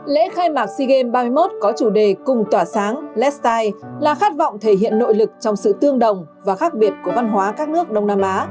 lễ khai mạc sea games ba mươi một có chủ đề cùng tỏa sáng lastile là khát vọng thể hiện nội lực trong sự tương đồng và khác biệt của văn hóa các nước đông nam á